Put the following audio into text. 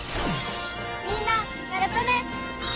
みんなやったね！